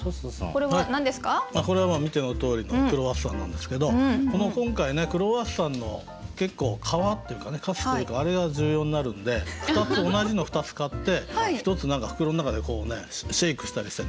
これは見てのとおりクロワッサンなんですけどこの今回ねクロワッサンの結構皮っていうかねカスというかあれが重要になるんで同じの２つ買って１つ何か袋の中でこうねシェークしたりしてねやっと落ちた皮をちょっと合成して。